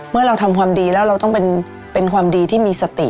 เมื่อเราทำความดีแล้วเราต้องเป็นความดีที่มีสติ